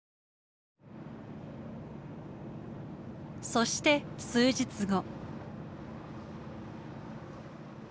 そして数日後。